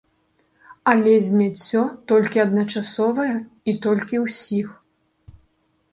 Але зняцце толькі адначасовае і толькі ўсіх.